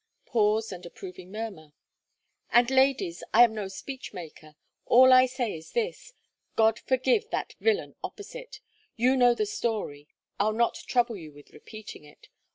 Pause and approving murmur. "And, ladies, I am no speech maker all I say is this: God forgive that villain opposite! You know the story. I'll not trouble you with repeating it.